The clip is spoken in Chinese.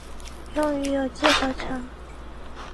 用于有机合成。